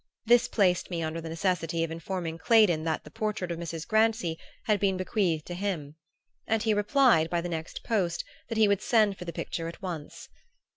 This placed me under the necessity of informing Claydon that the portrait of Mrs. Grancy had been bequeathed to him; and he replied by the next post that he would send for the picture at once.